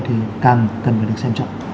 thì càng cần phải được xem trọng